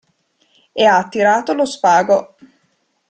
E ha tirato lo spago.